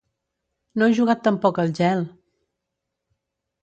No he jugat tampoc al gel!